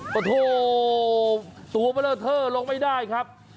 อ๋อหรอโอ้โธตัวเบลอเธอลงไม่ได้ครับ